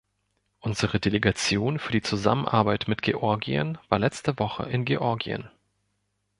Unsere Delegation für die Zusammenarbeit mit Georgien war letzte Woche in Georgien.